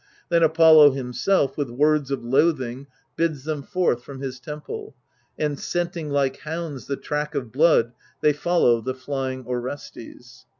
Then Apollo himself, with words of loathing, bids them forth from his temple ; and, scenting like hounds the track of blood, they follow the flying Orestes.